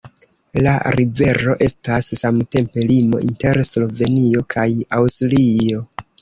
La rivero estas samtempe limo inter Slovenio kaj Aŭstrio.